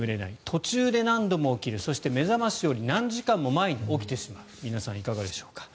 途中で何度も起きる目覚ましよりも何時間も前に起きてしまう皆さんいかがでしょうか。